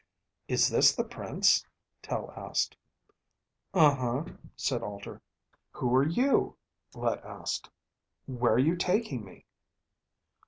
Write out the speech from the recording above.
"Is this the Prince?" Tel asked. "Un huh," said Alter. "Who are you?" Let asked. "Where are you taking me?"